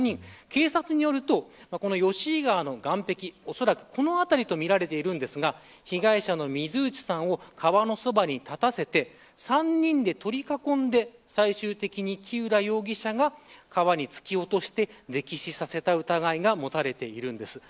警察によると吉井川の岸壁、おそらくこの辺りとみられていますが被害者の水内さんを川のそばに立たせて３人で取り囲んで最終的に木浦容疑者が川に突き落として溺死させた疑いが持たれているんです。